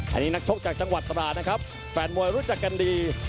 อันนี้นักชกจากจังหวัดตรานะครับแฟนมวยรู้จักกันดี